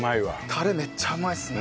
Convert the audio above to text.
タレめっちゃうまいですね。